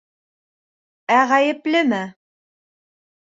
Ә ғәйеплеме